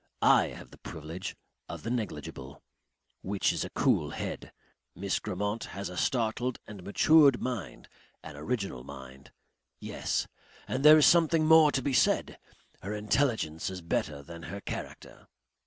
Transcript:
I have the privilege of the negligible which is a cool head. Miss Grammont has a startled and matured mind, an original mind. Yes. And there is something more to be said. Her intelligence is better than her character."